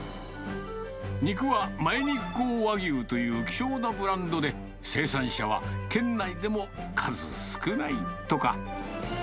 肉は、前日光和牛という希少なブランドで、生産者は県内でも数少ないとか。